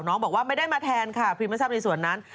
บอกว่าไม่ได้มาแทนค่ะพรีมไม่ทราบในส่วนนั้น